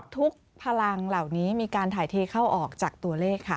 พลังเหล่านี้มีการถ่ายเทเข้าออกจากตัวเลขค่ะ